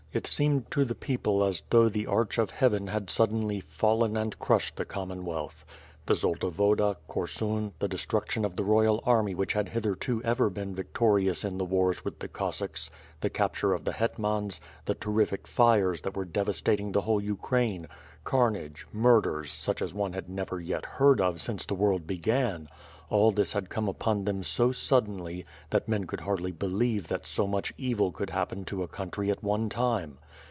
It seemed to the people as though the arch of heaven had suddenly fallen and crushed the Com monwealth. The Zolta Woda, Korsun, the destruction of the royal army which had hitherto ever been victorious in the wars with the C^^ossacks, the capture of the hetmans, the ter rific fires that were devastating the whole Ukraine, carnage, murders, such as one had never yet heard of since the world began; all this had come upon them so suddenly, that men could hardly believe that so much evil could happen to a country at one time.